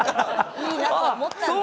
いいなと思ったんですね。